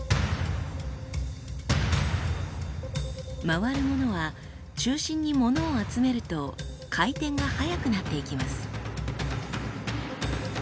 回るものは中心にものを集めると回転が速くなっていきます。